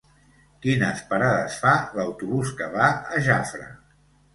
Quines parades fa l'autobús que va a Jafre?